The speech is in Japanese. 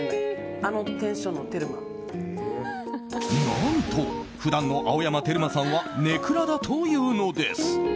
何と、普段の青山テルマさんは根暗だというのです。